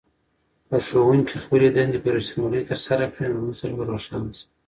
که ښوونکي خپلې دندې په رښتینولۍ ترسره کړي نو نسل به روښانه شي.